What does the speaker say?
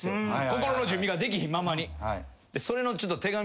心の準備ができひんままに。